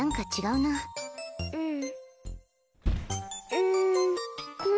うん？